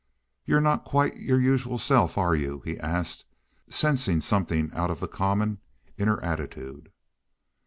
"You're not quite your usual self, are you?" he asked, sensing something out of the common in her attitude.